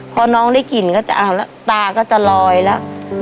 พอน้องได้กลิ่นก็จะอ้าวแล้วตาก็จะลอยแล้ว